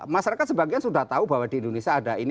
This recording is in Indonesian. masyarakat sebagian sudah tahu bahwa di indonesia ada ini